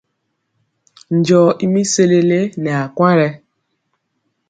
Njɔo i mi sesele nɛ akwaŋ yen.